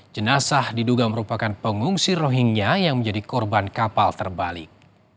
jenazah diduga merupakan pengungsi rohingya yang menjadi korban kapal terbalik